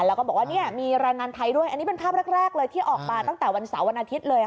แล้วก็บอกว่ามีแรงงานไทยด้วยอันนี้เป็นภาพแรกเลยที่ออกมาตั้งแต่วันเสาร์วันอาทิตย์เลย